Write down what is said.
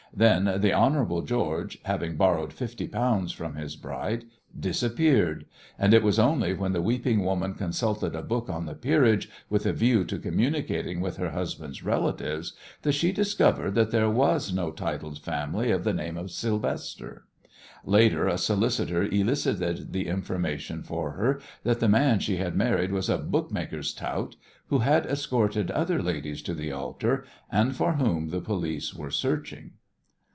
Then the "Hon. George," having borrowed fifty pounds from his bride, disappeared, and it was only when the weeping woman consulted a book on the peerage with a view to communicating with her husband's relatives that she discovered that there was no titled family of the name of Sylvester. Later a solicitor elicited the information for her that the man she had married was a bookmaker's tout, who had escorted other ladies to the altar, and for whom the police were searching.